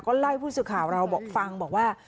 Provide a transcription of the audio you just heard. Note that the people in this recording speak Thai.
ก็ไล่ผู้สื่อข่าวเราฟังบอกว่า